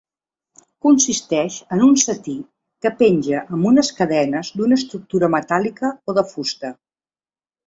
Consisteix en un seti que penja amb unes cadenes d'una estructura metàl·lica o de fusta.